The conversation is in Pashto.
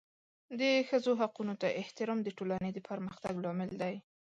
د ښځو حقونو ته احترام د ټولنې د پرمختګ لامل دی.